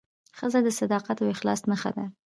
ښځه د صداقت او اخلاص نښه ده.